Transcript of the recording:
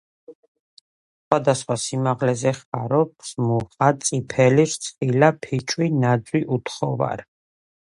სხვადსხვა სიმაღლეზე ხარობს მუხა, წაბლი, წიფელი, რცხილა, ფიჭვი, ნაძვი, უთხოვარი.